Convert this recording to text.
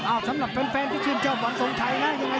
อ้าวสำหรับเพื่อนที่ชื่นเจ้าวันสงชัยนะ